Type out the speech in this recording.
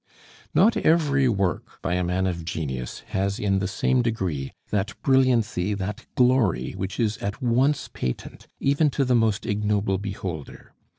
Not every work by a man of genius has in the same degree that brilliancy, that glory which is at once patent even to the most ignoble beholder.